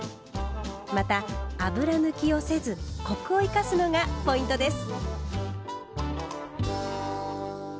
また油抜きをせずコクを生かすのがポイントです。